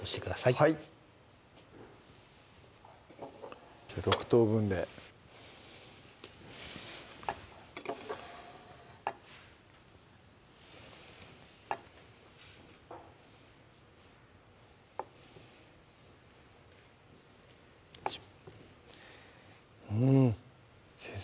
はい６等分でうん先生